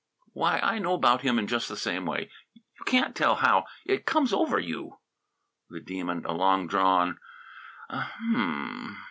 "Why, I know about him in just the same way; you can't tell how. It comes over you!" The Demon: (A long drawn) "U u mm!"